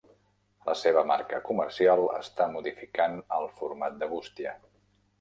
La seva marca comercial està modificant el format de bústia.